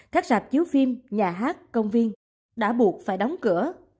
các sạp chiếu phim nhà hát công viên đã buộc phải đóng cửa